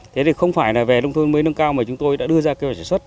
thế thì không phải là về nông thôn mới nâng cao mà chúng tôi đã đưa ra kế hoạch sản xuất